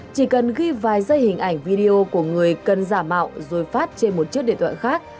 chỉ cần ghi vài giây hình ảnh video của người cần giả mạo rồi phát trên một chiếc điện thoại khác